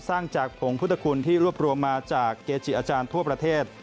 สร้างจากผงพุทธคุณที่รวบรวมมาจากเกจิอาจารย์ทั่วประเทศ